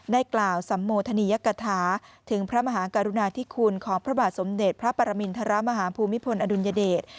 กล่าวสัมโมธนียกฐาถึงพระมหากรุณาธิคุณของพระบาทสมเด็จพระปรมินทรมาฮภูมิพลอดุลยเดช